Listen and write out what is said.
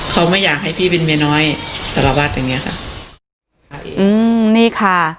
เขาไม่อยากให้พี่เป็นเมียน้อยสารวัตรอย่างเงี้ยค่ะอืมนี่ค่ะ